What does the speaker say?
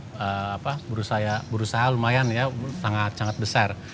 pemerintah indonesia sudah berusaha lumayan ya sangat sangat besar